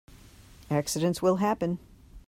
Accidents will happen.